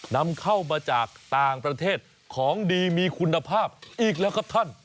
นำเข้ามาจากต่างประเทศของดีมีคุณภาพอีกแล้วครับท่าน